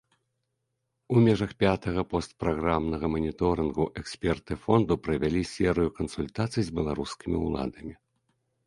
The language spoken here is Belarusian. У межах пятага постпраграмнага маніторынгу эксперты фонду правялі серыю кансультацый з беларускімі ўладамі.